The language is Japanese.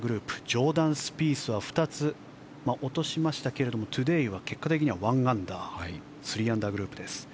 ジョーダン・スピースは２つ落としましたがトゥデーは結果的には１アンダー３アンダーグループです。